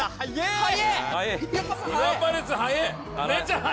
はい。